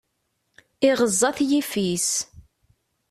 Iɣeẓẓa-t yiffis.